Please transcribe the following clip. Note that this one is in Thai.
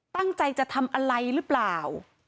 ตั้งใจจะทำอะไรหรือเปล่า